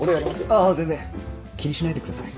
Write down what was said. あぁ全然気にしないでください。